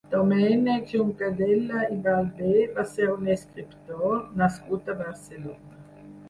Domènec Juncadella i Ballbé va ser un escriptor nascut a Barcelona.